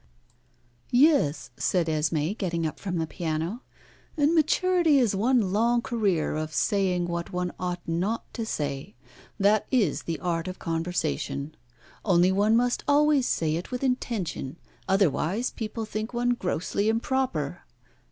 "Yes," said Esmé, getting up from the piano. "And maturity is one long career of saying what one ought not to say. That is the art of conversation. Only one must always say it with intention, otherwise people think one grossly improper.